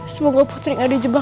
semoga putri gak dijemput